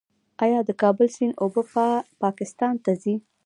آیا د کابل سیند اوبه پاکستان ته ځي؟